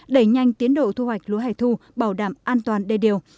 đẩy nhanh tiến độ thu hoạch lúa hẻ thu bảo đảm an toàn đê điều